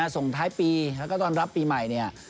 ส่งท้ายปีและก็ตอนรับปีใหม่